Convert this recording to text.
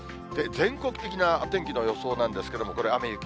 全国的な天気のよそうなんですけれども、これ、雨、雪。